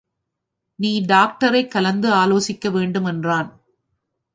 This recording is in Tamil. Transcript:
நீ டாக்டரைக் கலந்து ஆலோசிக்கவேண்டும் என்றான்.